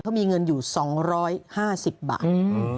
เพราะมีเงินอยู่๒๕๐บาท